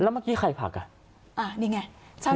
แล้วเมื่อกี้ใครผลักนี่ไง